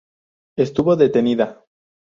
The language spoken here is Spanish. Estuvo detenida.